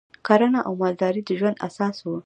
کرنه او مالداري د ژوند اساس و